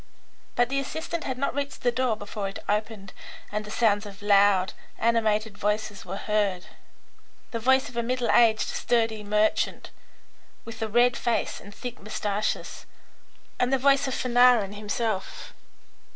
But the assistant had not reached the door before it opened and the sounds of loud, animated voices were heard; the voice of a middle aged, sturdy merchant, with a red face and thick moustaches, and the voice of Fanarin himself.